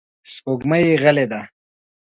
سپوږمۍ غلې ده.